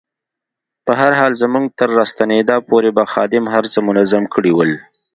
په هر حال زموږ تر راستنېدا پورې به خادم هر څه منظم کړي ول.